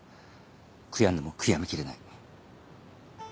悔やんでも悔やみきれない。